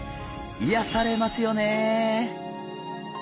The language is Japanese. いやされますよね。